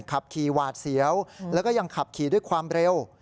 ขับขี่หวาดเสียวแล้วก็ยังขับขี่ด้วยความเร็ว